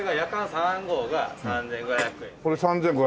２号が２５００円。